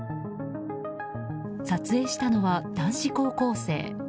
撮影したのは男子高校生。